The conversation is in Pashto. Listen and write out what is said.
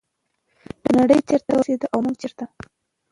نړۍ چیرته ورسیده او موږ چیرته؟